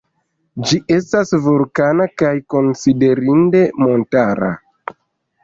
Ĝi estas vulkana kaj konsiderinde montara.